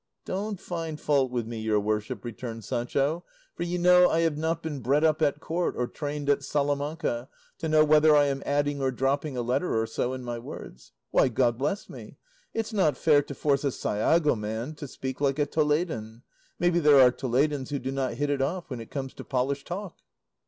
"Don't find fault with me, your worship," returned Sancho, "for you know I have not been bred up at court or trained at Salamanca, to know whether I am adding or dropping a letter or so in my words. Why! God bless me, it's not fair to force a Sayago man to speak like a Toledan; maybe there are Toledans who do not hit it off when it comes to polished talk."